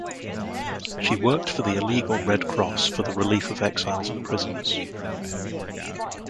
She worked for the Illegal Red Cross for the Relief of Exiles and Prisoners.